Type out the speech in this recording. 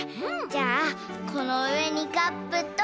じゃあこのうえにカップと。